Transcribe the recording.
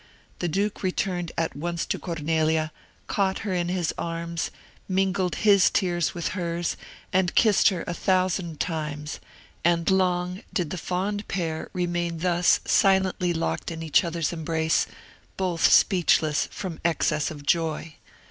The duke returned at once to Cornelia, caught her in his arms, mingled his tears with hers, and kissed her a thousand times; and long did the fond pair remain thus silently locked in each other's embrace, both speechless from excess of joy.